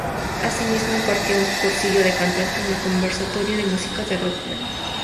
Asimismo impartió un cursillo de cante en el Conservatorio de Música de Róterdam.